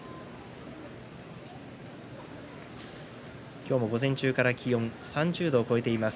今日も午前中から気温が３０度を超えています。